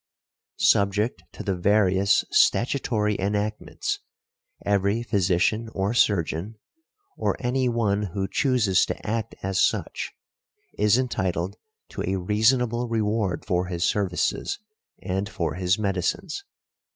Subject to the various statutory enactments, every physician or surgeon, or any one who chooses to act as such, is entitled to a reasonable reward for his services and for his medicines.